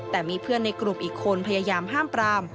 แต่มีเพื่อนในกลุ่มอีกคนพยายามห้ามปราม